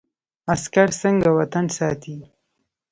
عسکر څنګه وطن ساتي؟